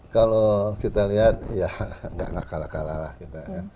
kalau kita lihat ya nggak kalah kalah lah kita